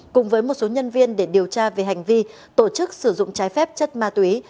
cùng với một số nhân viên để điều tra về hành vi tổ chức sử dụng trái phép chất ma túy